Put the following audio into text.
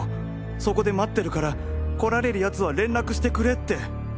そこで待ってるから来られるやつは連絡してくれ」って！